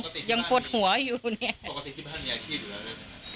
ปกติที่บ้านมีอาชีพอยู่แล้วหรือเปล่า